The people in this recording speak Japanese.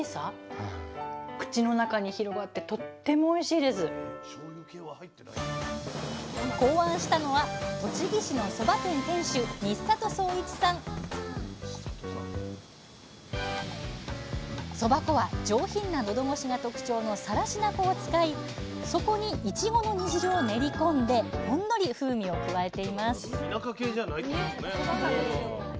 なのでまずは頂きました考案したのは栃木市のそば店店主そば粉は上品な喉越しが特徴の更科粉を使いそこにいちごの煮汁を練り込んでほんのり風味を加えています